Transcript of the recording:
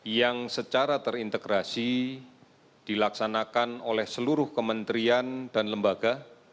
yang secara terintegrasi dilaksanakan oleh seluruh kementerian dan lembaga